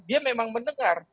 dia memang mendengar